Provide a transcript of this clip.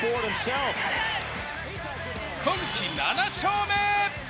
今季７勝目。